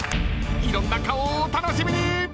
［いろんな顔をお楽しみに！］